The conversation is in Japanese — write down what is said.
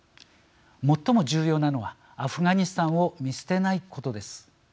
最も重要なのはアフガニスタンを見捨てないことです。